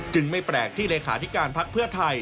ไม่แปลกที่เลขาธิการพักเพื่อไทย